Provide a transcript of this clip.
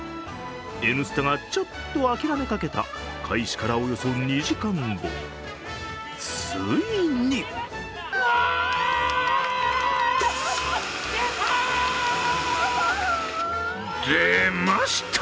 「Ｎスタ」がちょっと諦めかけた開始からおよそ２時間後、ついに出ました！